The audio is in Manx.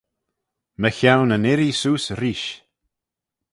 Mychione yn irree seose reesht.